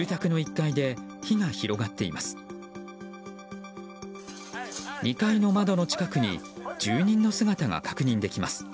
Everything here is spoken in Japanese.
２階の窓の近くに住人の姿が確認できます。